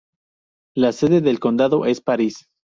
La sede del condado es Paris.